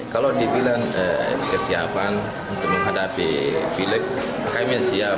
kalau dibilang kesiapan untuk menghadapi pilek kami siap